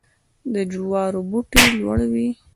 د جوارو بوټی لوړ وي.